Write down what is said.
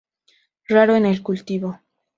Raro en el cultivo.